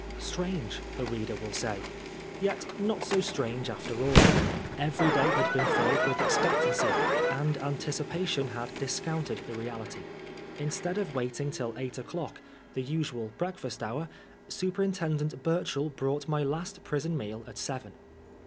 '^ Strange !" the reader will say. Yet not so strange after all. ETery day had been filled with expectancy, and anticipation had dis counted the reality. Instead of waiting till eight o'clock, the usual breakfast hour, superintendent Burchell brought my last prison meal at seven.